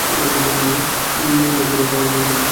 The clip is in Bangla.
তিনি ইভরেয়া শহরে সামরিক প্রশিক্ষণ প্রতিষ্ঠানে যোগদান করেন।